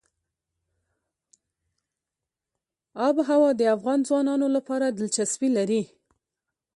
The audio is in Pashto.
آب وهوا د افغان ځوانانو لپاره دلچسپي لري.